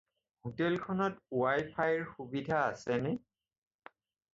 হোটেলখনত ৱাই-ফাইৰ সুবিধা আছেনে?